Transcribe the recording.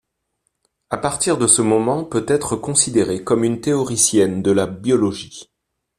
À partir de ce moment peut être considérée comme une théoricienne de la biologie.